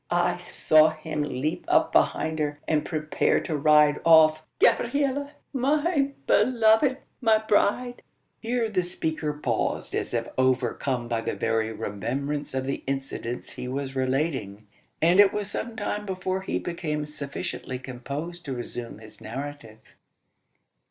I saw him leap up behind her, and prepare to ride off Gabriella, my beloved my bride!" Here the speaker paused as if overcome by the very remembrance of the incidents he was relating; and it was some time before he became sufficiently composed to resume his narrative.